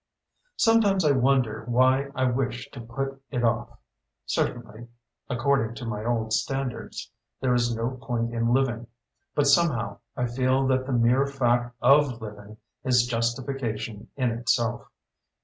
Sometimes I wonder why I wish to put it off. Certainly, according to my old standards, there is no point in living. But somehow I feel that the mere fact of living is justification in itself.